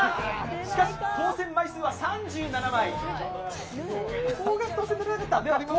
しかし、当選枚数は３７枚。